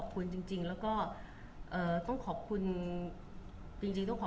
บุ๋มประดาษดาก็มีคนมาให้กำลังใจเยอะ